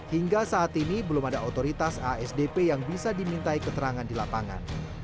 hingga saat ini belum ada otoritas asdp yang bisa dimintai keterangan di lapangan